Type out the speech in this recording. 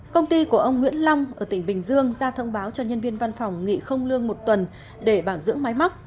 công ty của ông nguyễn long ở tỉnh bình dương ra thông báo cho nhân viên văn phòng nghị không lương một tuần để bảo dưỡng máy móc